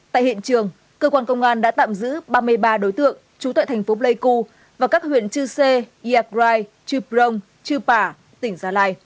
tại hiện trường cơ quan công an đã tạm giữ ba mươi ba đối tượng trú tại thành phố pleiku và các huyện chư sê iagrai chư prong chư pả tỉnh gia lai